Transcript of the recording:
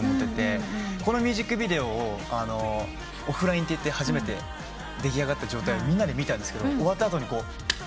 このミュージックビデオをオフラインといって初めて出来上がった状態をみんなで見たんですけど終わった後にこう。